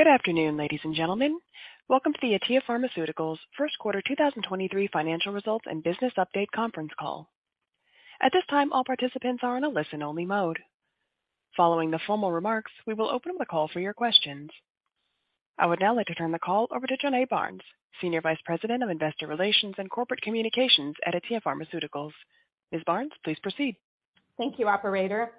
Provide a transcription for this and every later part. Good afternoon, ladies and gentlemen. Welcome to the Atea Pharmaceuticals First Quarter 2023 Financial Results and Business Update Conference Call. At this time, all participants are on a listen only mode. Following the formal remarks, we will open up the call for your questions. I would now like to turn the call over to Jonae Barnes, Senior Vice President of Investor Relations and Corporate Communications at Atea Pharmaceuticals. Ms. Barnes, please proceed. Thank you, operator.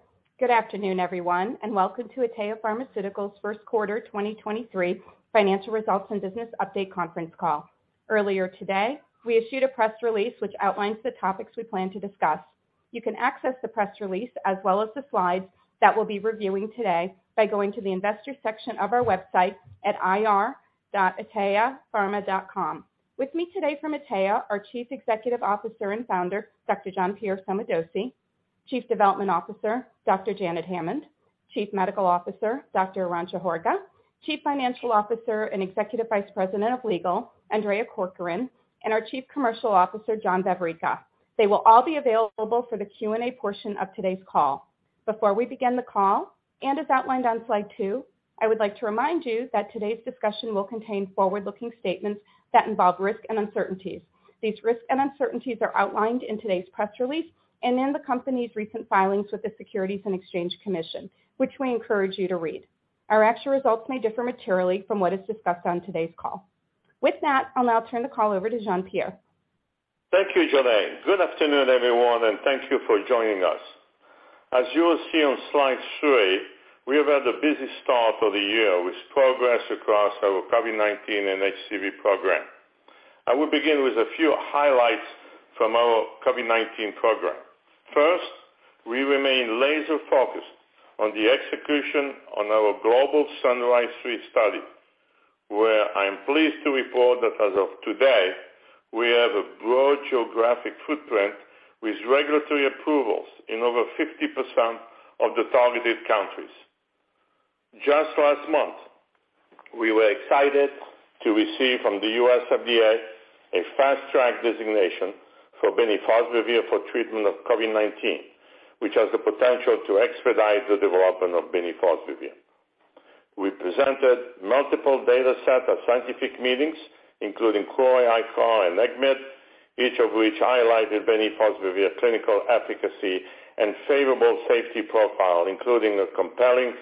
Good afternoon, everyone, and welcome to Atea Pharmaceuticals First Quarter 2023 Financial Results and Business Update Conference Call. Earlier today, we issued a press release which outlines the topics we plan to discuss. You can access the press release as well as the slides that we'll be reviewing today by going to the investor section of our website at ir.ateapharma.com. With me today from Atea, our Chief Executive Officer and Founder, Dr. Jean-Pierre Sommadossi, Chief Development Officer, Dr. Janet Hammond, Chief Medical Officer, Dr. Arantxa Horga, Chief Financial Officer and Executive Vice President of Legal, Andrea Corcoran, and our Chief Commercial Officer, John Vavricka. They will all be available for the Q&A portion of today's call. Before we begin the call, and as outlined on slide two, I would like to remind you that today's discussion will contain forward-looking statements that involve risk and uncertainties. These risks and uncertainties are outlined in today's press release and in the company's recent filings with the Securities and Exchange Commission, which we encourage you to read. Our actual results may differ materially from what is discussed on today's call. With that, I'll now turn the call over to Jean-Pierre. Thank you, Jonae. Good afternoon, everyone, and thank you for joining us. As you will see on slide three, we have had a busy start of the year with progress across our COVID-19 and HCV program. I will begin with a few highlights from our COVID-19 program. First, we remain laser-focused on the execution on our global SUNRISE-3 study, where I am pleased to report that as of today, we have a broad geographic footprint with regulatory approvals in over 50% of the targeted countries. Just last month, we were excited to receive from the US FDA a Fast Track designation for bemnifosbuvir for treatment of COVID-19, which has the potential to expedite the development of bemnifosbuvir. We presented multiple data sets at scientific meetings, including CROI, ICAR, and ECCMID, each of which highlighted bemnifosbuvir clinical efficacy and favorable safety profile, including a compelling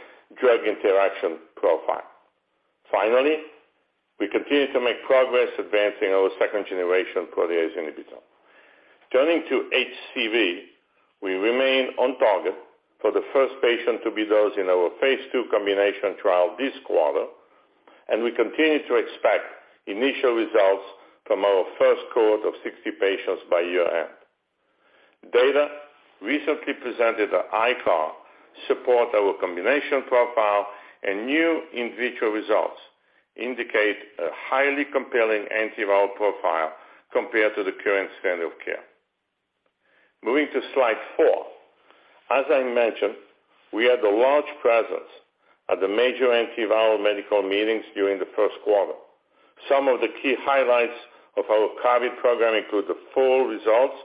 drug interaction profile. We continue to make progress advancing our second-generation protease inhibitor. Turning to HCV, we remain on target for the first patient to be dosed in our Phase II combination trial this quarter, and we continue to expect initial results from our first cohort of 60 patients by year-end. Data recently presented at ICAR support our combination profile and new in vitro results indicate a highly compelling antiviral profile compared to the current standard of care. Moving to slide four. As I mentioned, we had a large presence at the major antiviral medical meetings during the first quarter. Some of the key highlights of our COVID program include the full results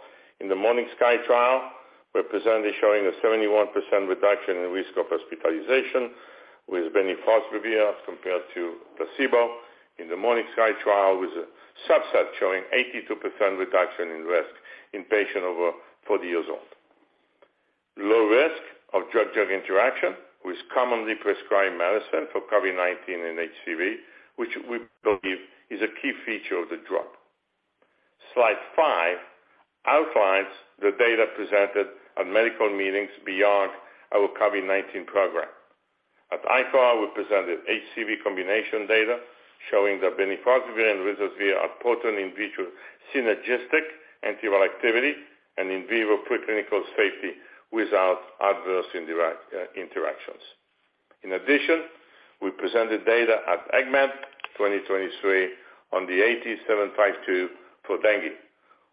in the MORNINGSKY trial, were presented showing a 71% reduction in risk of hospitalization with bemnifosbuvir compared to placebo. In the MORNINGSKY trial, with a subset showing 82% reduction in risk in patients over 40 years old. Low risk of drug-drug interaction, with commonly prescribed medicine for COVID-19 and HCV, which we believe is a key feature of the drug. Slide five outlines the data presented at medical meetings beyond our COVID-19 program. At ICAR, we presented HCV combination data showing that bemnifosbuvir and ruzasvir are potent in vitro synergistic antiviral activity and in vivo preclinical safety without adverse interactions. In addition, we presented data at ECCMID 2023 on the AT-752 for dengue.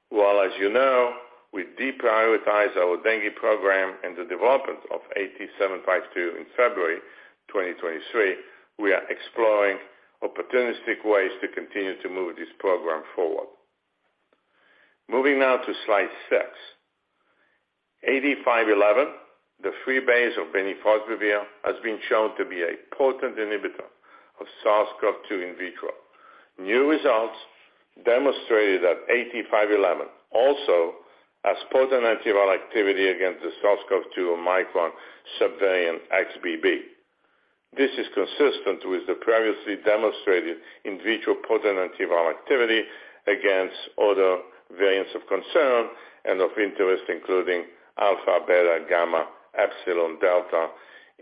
While as you know, we deprioritize our dengue program and the development of AT-752 in February 2023, we are exploring opportunistic ways to continue to move this program forward. Moving now to slide six. AT-511, the free base of bemnifosbuvir, has been shown to be a potent inhibitor of SARS-CoV-2 in vitro. New results demonstrated that AT-511 also has potent antiviral activity against the SARS-CoV-2 Omicron subvariant XBB. This is consistent with the previously demonstrated in vitro potent antiviral activity against other variants of concern and of interest, including alpha, beta, gamma, epsilon, delta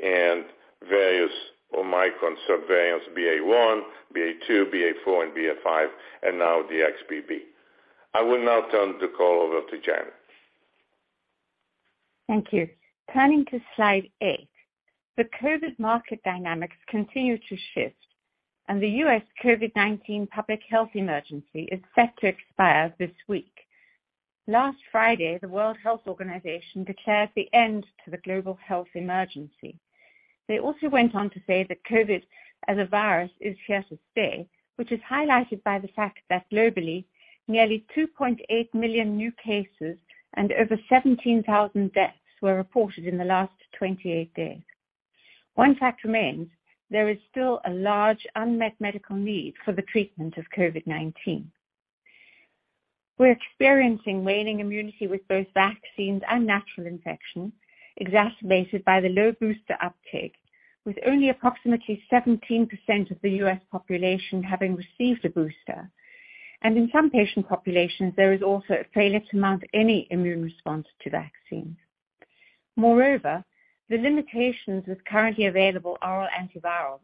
and various Omicron subvariants BA.1, BA.2, BA.4 and BA.5, and now the XBB. I will now turn the call over to Janet. Thank you. Turning to slide eight. The COVID market dynamics continue to shift and the U.S. COVID-19 public health emergency is set to expire this week. Last Friday, the World Health Organization declared the end to the global health emergency. They also went on to say that COVID as a virus is here to stay, which is highlighted by the fact that globally, nearly 2.8 million new cases and over 17,000 deaths were reported in the last 28 days. One fact remains. There is still a large unmet medical need for the treatment of COVID-19. We're experiencing waning immunity with both vaccines and natural infection, exacerbated by the low booster uptake, with only approximately 17% of the U.S. population having received a booster. In some patient populations, there is also a failure to mount any immune response to vaccine. Moreover, the limitations with currently available oral antivirals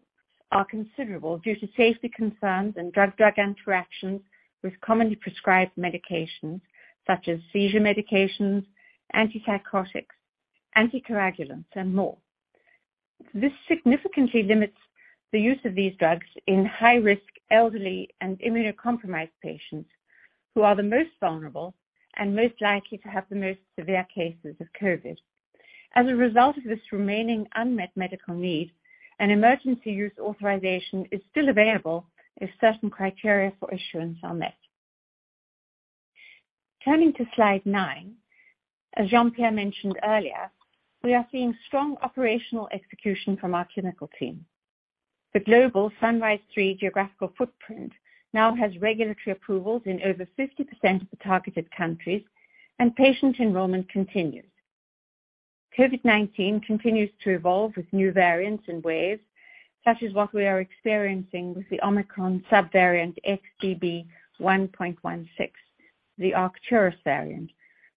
are considerable due to safety concerns and drug-drug interactions with commonly prescribed medications such as seizure medications, antipsychotics, anticoagulants, and more. This significantly limits the use of these drugs in high-risk, elderly, and immunocompromised patients who are the most vulnerable and most likely to have the most severe cases of COVID. As a result of this remaining unmet medical need, an emergency use authorization is still available if certain criteria for issuance are met. Turning to slide nine. As Jean-Pierre mentioned earlier, we are seeing strong operational execution from our clinical team. The global SUNRISE-3 geographical footprint now has regulatory approvals in over 50% of the targeted countries, and patient enrollment continues. COVID-19 continues to evolve with new variants and waves, such as what we are experiencing with the Omicron subvariant XBB.1.16, the Arcturus variant,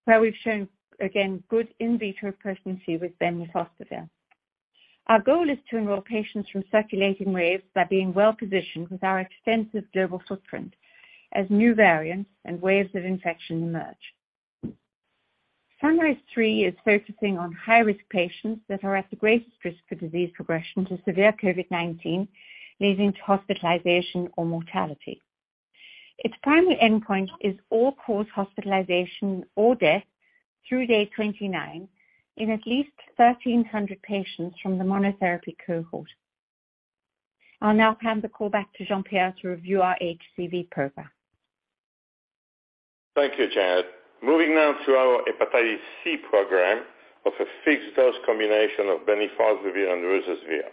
where we've shown again good in vitro potency with bemnifosbuvir. Our goal is to enroll patients from circulating waves by being well-positioned with our extensive global footprint as new variants and waves of infection emerge. SUNRISE-3 is focusing on high-risk patients that are at the greatest risk for disease progression to severe COVID-19, leading to hospitalization or mortality. Its primary endpoint is all-cause hospitalization or death through day 29 in at least 1,300 patients from the monotherapy cohort. I'll now hand the call back to Jean-Pierre to review our HCV program. Thank you, Janet. Moving now to our hepatitis C program of a fixed-dose combination of bemnifosbuvir and ruzasvir.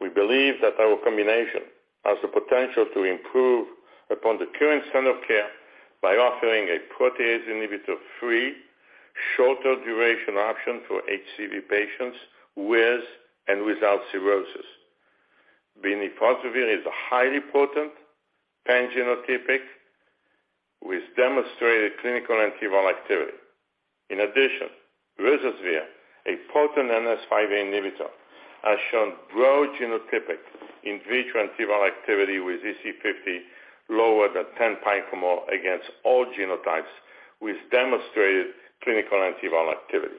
We believe that our combination has the potential to improve upon the current standard of care by offering a protease inhibitor-free, shorter duration option for HCV patients with and without cirrhosis. Bemnifosbuvir is a highly potent pan-genotypic with demonstrated clinical antiviral activity. In addition, ruzasvir, a potent NS5A inhibitor, has shown broad genotypic in vitro antiviral activity with EC50 lower than 10 picomole against all genotypes with demonstrated clinical antiviral activity.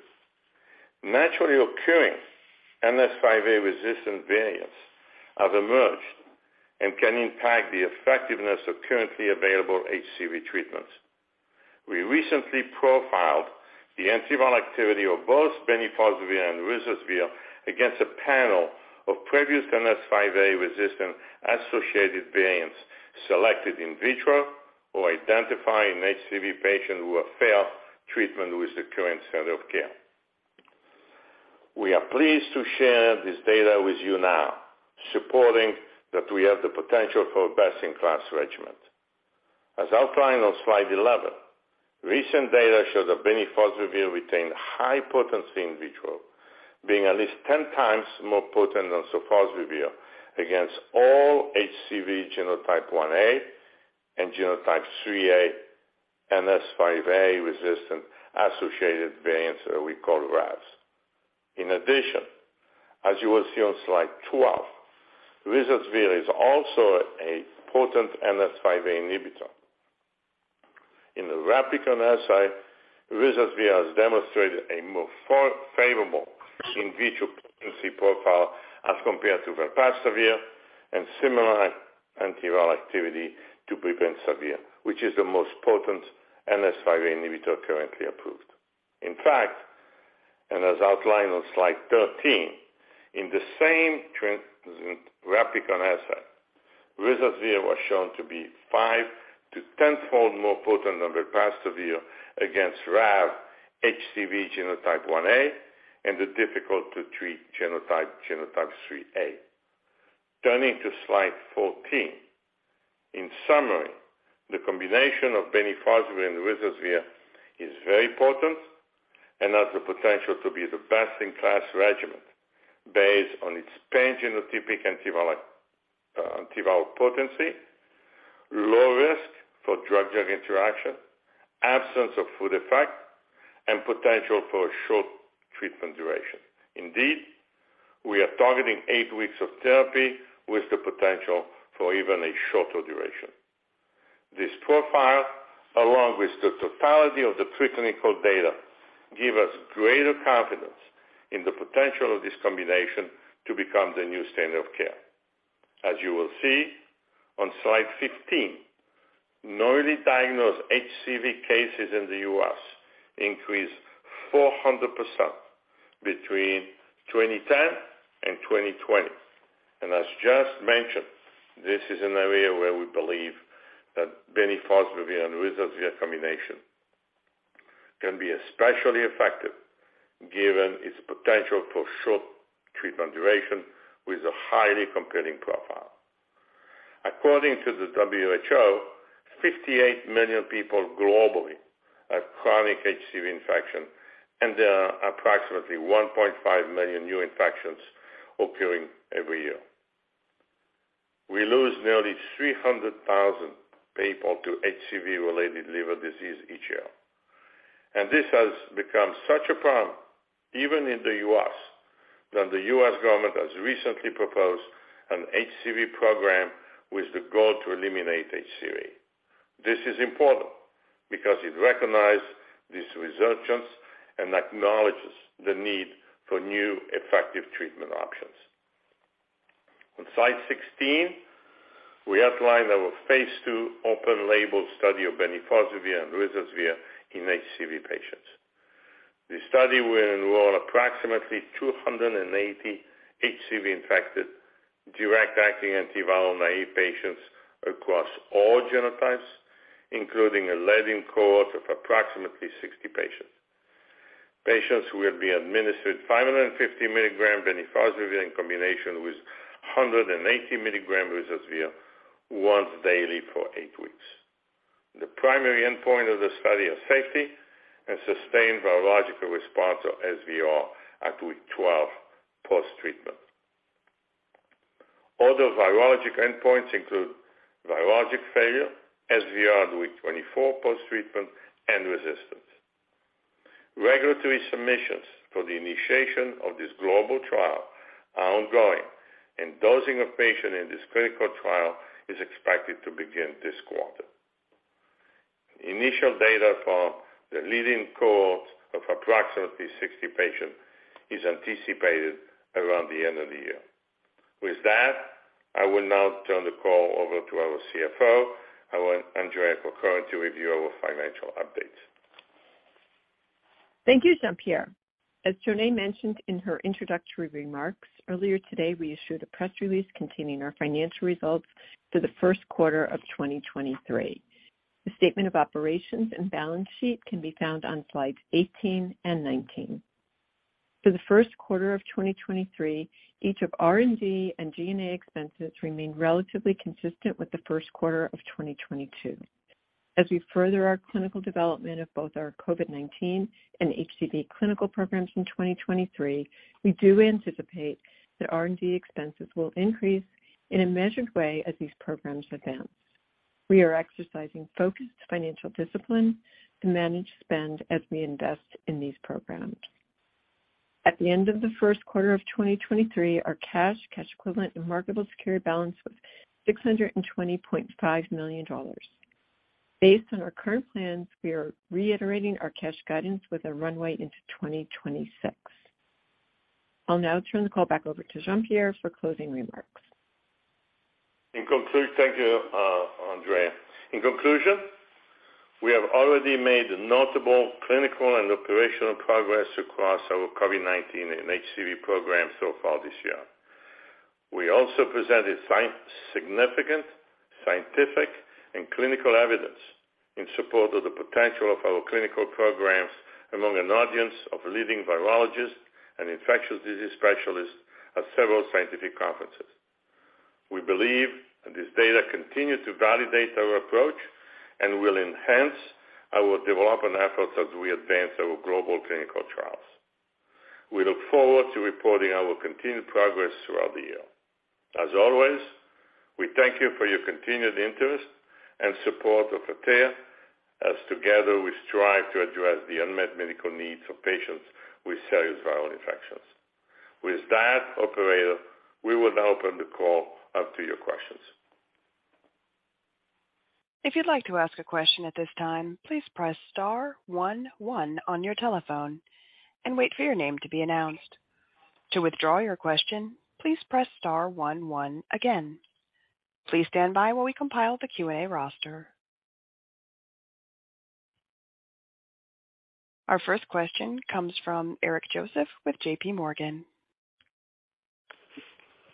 Naturally occurring NS5A-resistant variants have emerged and can impact the effectiveness of currently available HCV treatments. We recently profiled the antiviral activity of both bemnifosbuvir and ruzasvir against a panel of previous NS5A resistance-associated variants selected in vitro or identified in HCV patients who have failed treatment with the current standard of care. We are pleased to share this data with you now, supporting that we have the potential for best-in-class regimen. As outlined on slide 11, recent data shows that bemnifosbuvir retained high potency in vitro, being at least 10 times more potent than sofosbuvir against all HCV genotype 1A and genotype 3A NS5A-resistant associated variants that we call RAVs. In addition, as you will see on slide 12, ruzasvir is also a potent NS5A inhibitor. In the replicon assay, ruzasvir has demonstrated a more favorable in vitro potency profile as compared to velpatasvir and similar antiviral activity to pibrentasvir, which is the most potent NS5A inhibitor currently approved. In fact, as outlined on slide 13, in the same replicon assay, ruzasvir was shown to be five-10-fold more potent than velpatasvir against RAV HCV genotype 1A and the difficult to treat genotype 3A. Turning to slide 14. In summary, the combination of bemnifosbuvir and ruzasvir is very potent and has the potential to be the best-in-class regimen based on its pan-genotypic antiviral potency, low risk for drug-drug interaction, absence of food effect, and potential for short treatment duration. We are targeting eight weeks of therapy with the potential for even a shorter duration. This profile, along with the totality of the preclinical data, give us greater confidence in the potential of this combination to become the new standard of care. As you will see on slide 15, newly diagnosed HCV cases in the U.S. increased 400% between 2010 and 2020. As just mentioned, this is an area where we believe that bemnifosbuvir and ruzasvir combinationEspecially effective, given its potential for short treatment duration with a highly competing profile. According to the WHO, 58 million people globally have chronic HCV infection, there are approximately 1.5 million new infections occurring every year. We lose nearly 300,000 people to HCV-related liver disease each year, this has become such a problem, even in the U.S., that the U.S. government has recently proposed an HCV program with the goal to eliminate HCV. This is important because it recognizes this resurgence and acknowledges the need for new, effective treatment options. On slide 16, we outline our Phase II open label study of bemnifosbuvir and ruzasvir in HCV patients. The study will enroll approximately 280 HCV-infected, direct-acting antiviral-naive patients across all genotypes, including a lead-in cohort of approximately 60 patients. Patients will be administered 550 milligrams bemnifosbuvir in combination with 180 milligrams ruzasvir once daily for eight weeks. The primary endpoint of the study is safety and sustained virological response, or SVR, at week 12 post-treatment. Other virologic endpoints include virologic failure, SVR at week 24 post-treatment, and resistance. Regulatory submissions for the initiation of this global trial are ongoing, and dosing of patients in this clinical trial is expected to begin this quarter. Initial data for the lead-in cohort of approximately 60 patients is anticipated around the end of the year. With that, I will now turn the call over to our CFO, Andrea Corcoran, to review our financial updates. Thank you, Jean-Pierre. As Jonnae mentioned in her introductory remarks earlier today, we issued a press release containing our financial results for the first quarter of 2023. The statement of operations and balance sheet can be found on slides 18 and 19. For the first quarter of 2023, each of R&D and G&A expenses remained relatively consistent with the first quarter of 2022. As we further our clinical development of both our COVID-19 and HCV clinical programs in 2023, we do anticipate that R&D expenses will increase in a measured way as these programs advance. We are exercising focused financial discipline to manage spend as we invest in these programs. At the end of the first quarter of 2023, our cash equivalent and marketable security balance was $620.5 million. Based on our current plans, we are reiterating our cash guidance with a runway into 2026. I'll now turn the call back over to Jean-Pierre for closing remarks. Thank you, Andrea. In conclusion, we have already made notable clinical and operational progress across our COVID-19 and HCV programs so far this year. We also presented significant scientific and clinical evidence in support of the potential of our clinical programs among an audience of leading virologists and infectious disease specialists at several scientific conferences. We believe that this data continues to validate our approach and will enhance our development efforts as we advance our global clinical trials. We look forward to reporting our continued progress throughout the year. As always, we thank you for your continued interest and support of Atea as together we strive to address the unmet medical needs of patients with serious viral infections. With that, operator, we will now open the call up to your questions. If you'd like to ask a question at this time, please press star one one on your telephone and wait for your name to be announced. To withdraw your question, please press star one one again. Please stand by while we compile the QA roster. Our first question comes from Eric Joseph with JPMorgan.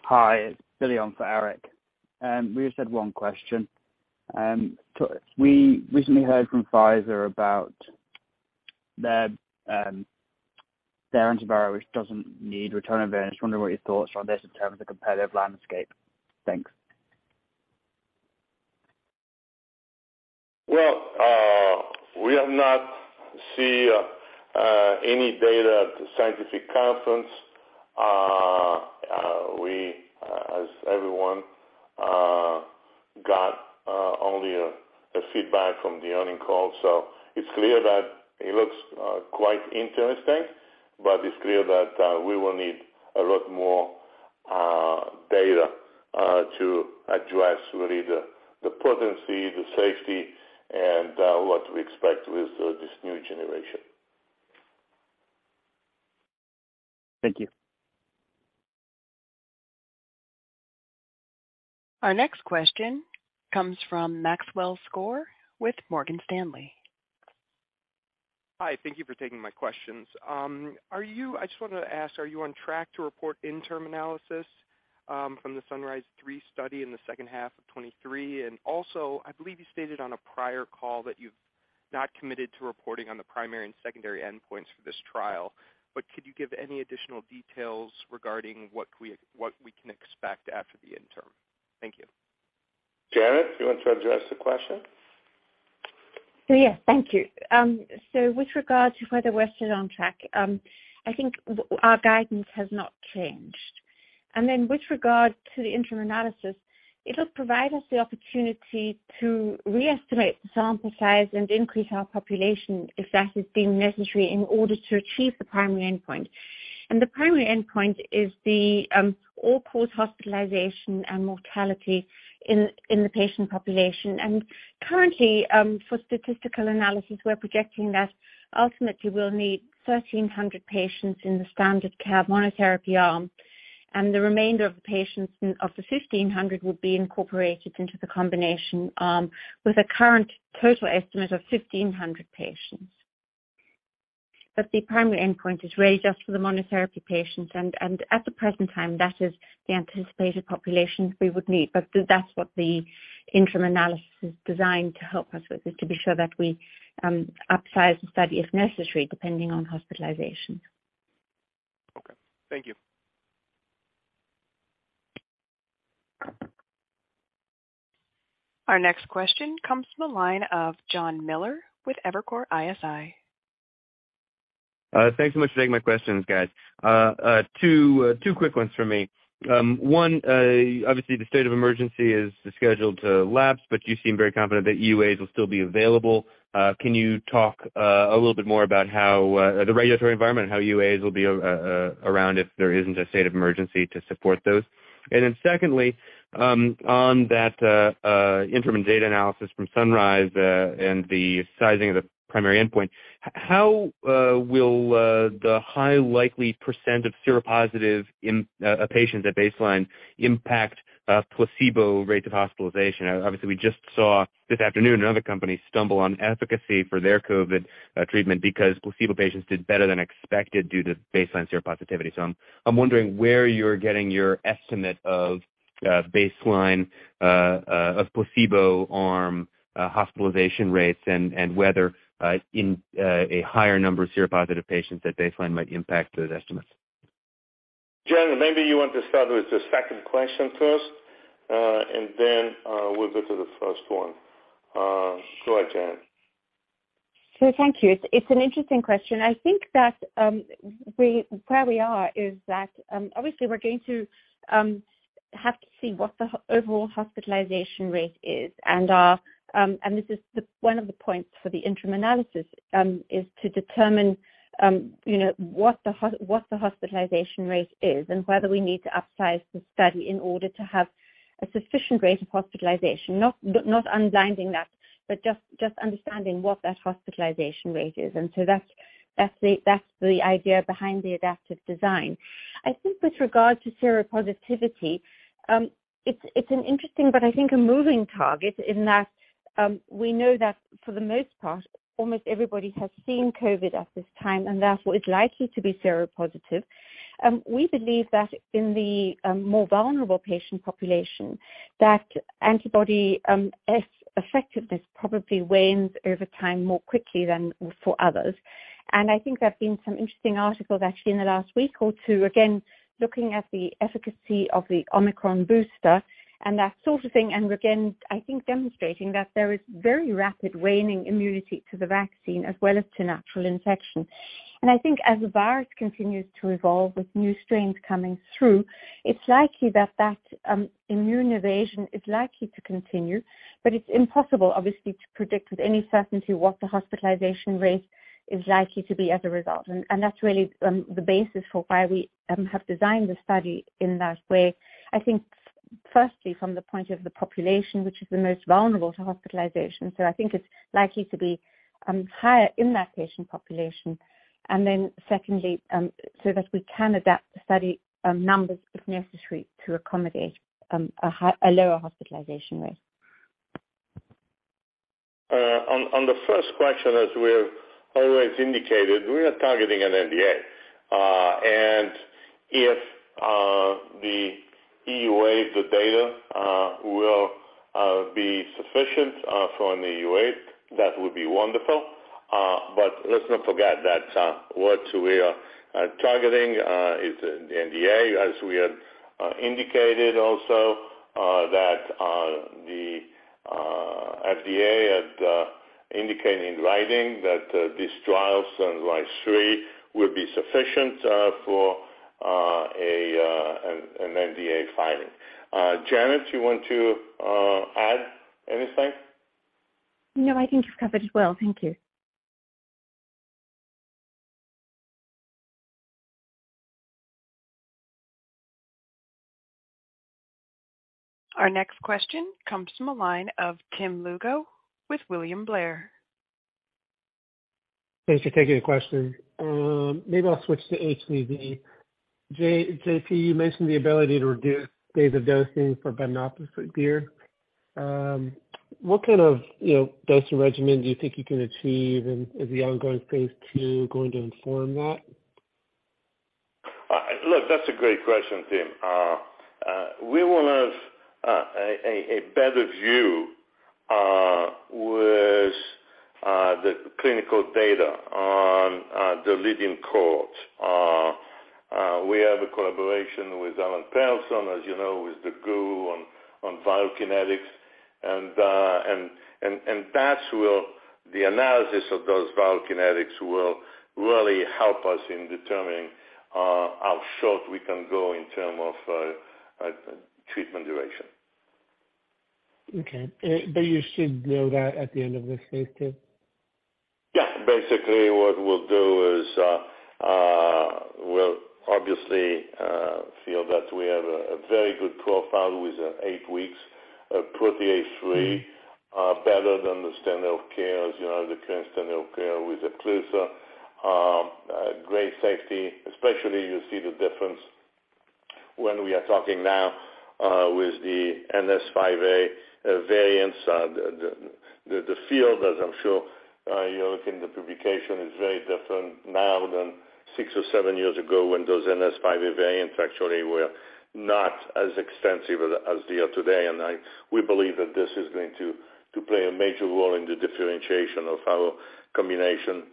Hi, it's Billy on for Eric. We just had one question. We recently heard from Pfizer about their antiviral, which doesn't need ritonavir. Just wondering what your thoughts are on this in terms of competitive landscape. Thanks. We have not see any data at the scientific conference. We as everyone got only a feedback from the earnings call. It's clear that it looks quite interesting, but it's clear that we will need a lot more data to address really the potency, the safety, and what we expect with this new generation. Thank you. Our next question comes from Maxwell Skor with Morgan Stanley. Hi, thank you for taking my questions. I just wanted to ask, are you on track to report interim analysis from the SUNRISE-3 study in the second half of 2023. Also, I believe you stated on a prior call that you've not committed to reporting on the primary and secondary endpoints for this trial. Could you give any additional details regarding what we can expect after the interim? Thank you. Janet, do you want to address the question? Yes. Thank you. With regard to whether we're still on track, I think our guidance has not changed. With regard to the interim analysis, it'll provide us the opportunity to re-estimate the sample size and increase our population if that is deemed necessary in order to achieve the primary endpoint. The primary endpoint is the all-cause hospitalization and mortality in the patient population. Currently, for statistical analysis, we're projecting that ultimately we'll need 1,300 patients in the standard care monotherapy arm, and the remainder of the patients, of the 1,500 will be incorporated into the combination arm with a current total estimate of 1,500 patients. The primary endpoint is really just for the monotherapy patients. At the present time, that is the anticipated population we would need. That's what the interim analysis is designed to help us with, is to be sure that we upsize the study if necessary, depending on hospitalizations. Okay. Thank you. Our next question comes from the line of Jonathan Miller with Evercore ISI. Thanks so much for taking my questions, guys. two quick ones from me. one, obviously the state of emergency is scheduled to lapse, but you seem very confident that EUAs will still be available. Can you talk a little bit more about how the regulatory environment, how EUAs will be around if there isn't a state of emergency to support those? Secondly, on that interim data analysis from SUNRISE, and the sizing of the primary endpoint, how will the high likely % of seropositive in patients at baseline impact placebo rates of hospitalization? Obviously, we just saw this afternoon another company stumble on efficacy for their COVID treatment because placebo patients did better than expected due to baseline seropositivity. I'm wondering where you're getting your estimate of baseline of placebo arm hospitalization rates and whether a higher number of seropositive patients at baseline might impact those estimates. Janet, maybe you want to start with the second question first, and then, we'll go to the first one. Go ahead, Janet. Thank you. It's an interesting question. I think that we, where we are is that obviously we're going to have to see what the overall hospitalization rate is. This is the one of the points for the interim analysis is to determine, you know, what the hospitalization rate is and whether we need to upsize the study in order to have a sufficient rate of hospitalization, not unblinding that, but just understanding what that hospitalization rate is. That's the idea behind the adaptive design. I think with regard to seropositivity, it's an interesting but I think a moving target in that we know that for the most part, almost everybody has seen COVID at this time, and therefore is likely to be seropositive. We believe that in the more vulnerable patient population, that antibody effectiveness probably wanes over time more quickly than for others. I think there have been some interesting articles actually in the last week or two, again, looking at the efficacy of the Omicron booster and that sort of thing, and again, I think demonstrating that there is very rapid waning immunity to the vaccine as well as to natural infection. I think as the virus continues to evolve with new strains coming through, it's likely that that immune evasion is likely to continue. It's impossible, obviously, to predict with any certainty what the hospitalization rate is likely to be as a result. That's really the basis for why we have designed the study in that way. I think firstly, from the point of the population, which is the most vulnerable to hospitalization, so I think it's likely to be higher in that patient population. Secondly, so that we can adapt the study numbers if necessary to accommodate a lower hospitalization rate. On the first question, as we have always indicated, we are targeting an NDA. If the EUA data will be sufficient for an EUA, that would be wonderful. Let's not forget that what we are targeting is the NDA, as we have indicated also that the FDA had indicated in writing that these trials, SUNRISE-3, will be sufficient for an NDA filing. Janet, you want to add anything? No, I think you've covered it well. Thank you. Our next question comes from the line of Tim Lugo with William Blair. Thanks for taking the question. maybe I'll switch to HCV. JP, you mentioned the ability to reduce days of dosing for bemnifosbuvir. What kind of, you know, dosage regimen do you think you can achieve and is the ongoing Phase II going to inform that? Look, that's a great question, Tim. We will have a better view with the clinical data on the leading court. We have a collaboration with Alan Perelson, as you know, who's the guru on pharmacokinetics. The analysis of those pharmacokinetics will really help us in determining how short we can go in term of treatment duration. Okay. you should know that at the end of this Phase II? Yeah. Basically, what we'll do is, we'll obviously feel that we have a very good profile with eight weeks of protease free, better than the standard of care, as you know, the current standard of care with Epclusa, great safety. Especially you see the difference when we are talking now with the NS5A variants. The field, as I'm sure, you look in the publication, is very different now than six or seven years ago when those NS5A variants actually were not as extensive as they are today. We believe that this is going to play a major role in the differentiation of our combination,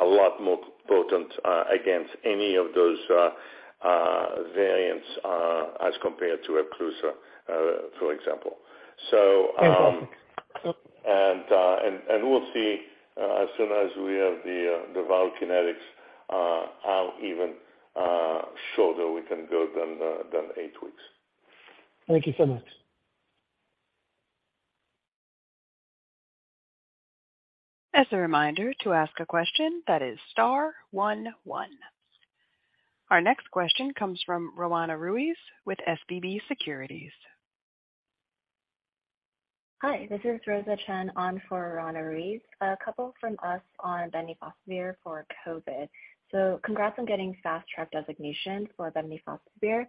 a lot more potent against any of those variants, as compared to Epclusa, for example. Okay. We'll see, as soon as we have the pharmacokinetics, how even shorter we can go than eight weeks. Thank you so much. As a reminder, to ask a question that is star one one. Our next question comes from Roanna Ruiz with SVB Securities. Hi, this is Roanna Chen on for Roanna Ruiz. A couple from us on bemnifosbuvir for COVID. Congrats on getting Fast Track designation for bemnifosbuvir.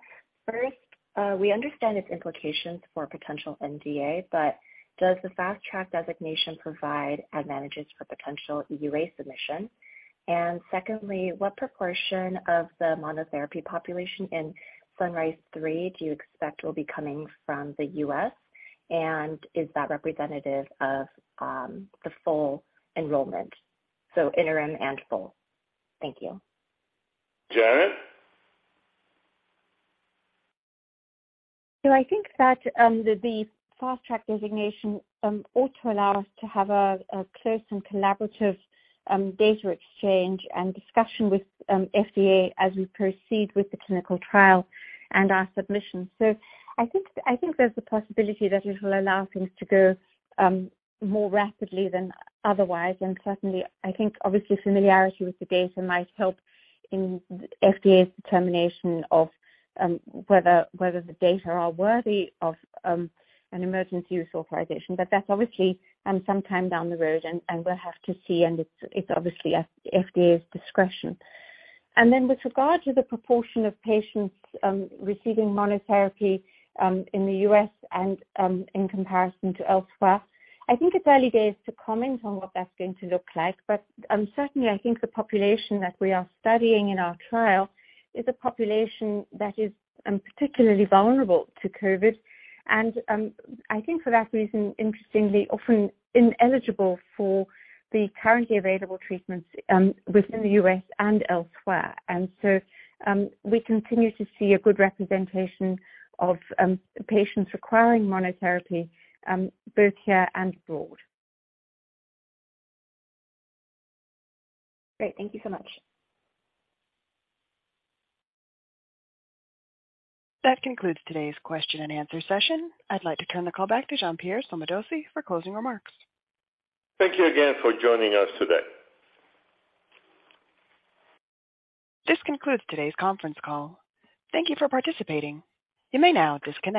First, we understand its implications for potential NDA, but does the Fast Track designation provide advantages for potential EUA submission? Secondly, what proportion of the monotherapy population in SUNRISE-3 do you expect will be coming from the US, and is that representative of the full enrollment, so interim and full? Thank you. Janet? I think that the Fast Track designation ought to allow us to have a close and collaborative data exchange and discussion with FDA as we proceed with the clinical trial and our submission. I think there's a possibility that it'll allow things to go more rapidly than otherwise. Certainly, I think obviously familiarity with the data might help in FDA's determination of whether the data are worthy of an emergency use authorization. That's obviously some time down the road and we'll have to see, and it's obviously at FDA's discretion. With regard to the proportion of patients receiving monotherapy in the U.S. and in comparison to elsewhere, I think it's early days to comment on what that's going to look like. Certainly I think the population that we are studying in our trial is a population that is particularly vulnerable to COVID. I think for that reason, interestingly, often ineligible for the currently available treatments within the U.S. and elsewhere. We continue to see a good representation of patients requiring monotherapy both here and abroad. Great. Thank you so much. That concludes today's question and answer session. I'd like to turn the call back to Jean-Pierre Sommadossi for closing remarks. Thank you again for joining us today. This concludes today's conference call. Thank you for participating. You may now disconnect.